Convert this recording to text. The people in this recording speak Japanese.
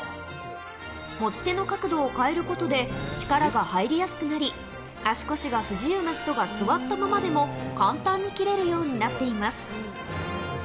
持ち手の角度を変えることで、力が入りやすくなり、足腰が不自由な人が座ったままでも簡単に切れるようになっています。